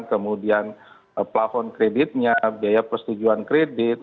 kemudian plafon kreditnya biaya persetujuan kredit